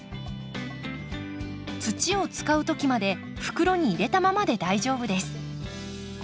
土を使う時まで袋に入れたままで大丈夫です。